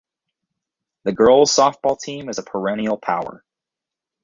The girls' softball team is a perennial power.